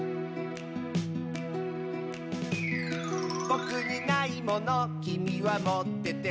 「ぼくにないものきみはもってて」